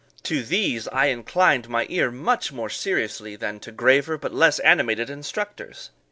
To these I inclined my ear much more seriously than to graver, but less animated instructors.